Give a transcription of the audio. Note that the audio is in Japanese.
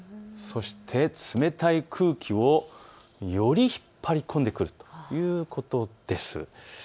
そして冷たい空気をより引っ張り込んでくるということです。